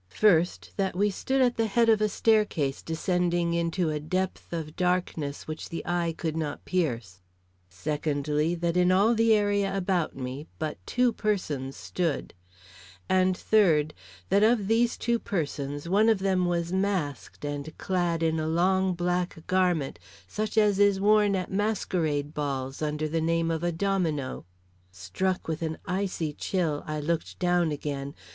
First, that we stood at the head of a staircase descending into a depth of darkness which the eye could not pierce; secondly, that in all the area about me but two persons stood; and third, that of these two persons one of them was masked and clad in a long black garment, such as is worn at masquerade balls under the name of a domino. Struck with an icy chill, I looked down again.